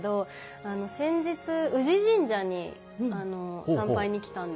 先日宇治神社に参拝に来たんですけど。